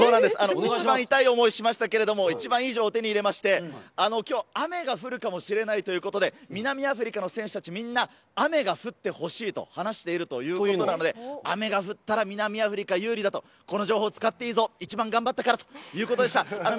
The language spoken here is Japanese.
一番痛い思いをしましたけれどもイチバンいい情報を手に入れまして、きょう雨が降るかもしれないということで、南アフリカの選手たち、みんな雨が降ってほしいと話しているということなので、雨が降ったら、南アフリカが有利だ、この情報を使っていいぞ、一番頑張ったからということでした。